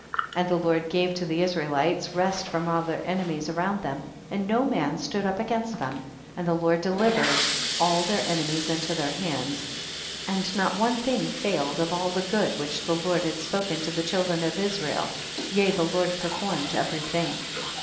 25. And the Lord gave to the Israelites rest from all their enemies around them, and no man stood up against them, and the Lord delivered all their enemies into their hands, and not one thing failed of all the good which the Lord had spoken to the children of Israel, yea the Lord performed every thing.